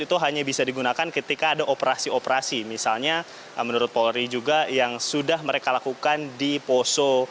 itu hanya bisa digunakan ketika ada operasi operasi misalnya menurut polri juga yang sudah mereka lakukan di poso